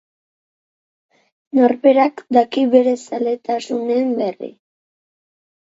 Norberak daki bere zaletasunen berri.